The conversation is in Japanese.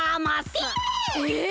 えっ！？